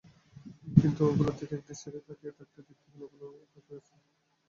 কিন্তু ওগুলোর দিকে একদৃষ্টিতে তাকিয়ে থাকতে দেখতে পেল ওগুলো ক্রমে কাছে আসছে।